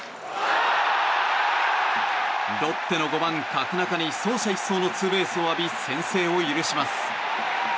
ロッテの５番、角中に走者一掃のツーベースを浴び先制を許します。